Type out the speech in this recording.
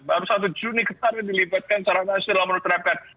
baru satu juni kemarin dilibatkan cara masyarakat menutrapkan